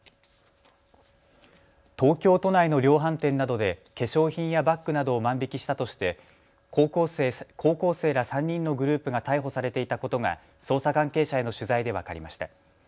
東京都内の量販店などで化粧品やバッグなどを万引きしたとして高校生ら３人のグループが逮捕されていたことが捜査関係者への取材で分かりました。